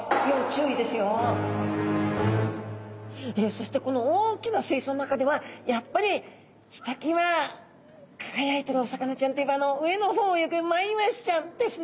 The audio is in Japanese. そしてこの大きな水槽の中ではやっぱりひときわ輝いてるお魚ちゃんといえばあの上の方を泳ぐマイワシちゃんですね。